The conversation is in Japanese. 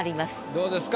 どうですか？